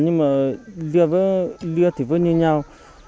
nhưng mà lia thịt với như nhau